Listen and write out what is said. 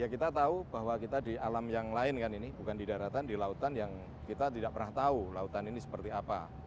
kita tahu bahwa kita di alam yang lain kan ini bukan di daratan di lautan yang kita tidak pernah tahu lautan ini seperti apa